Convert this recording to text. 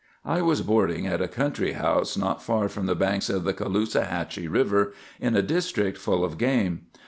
"I was boarding at a country house not far from the banks of the Caloosahatchee River, in a district full of game.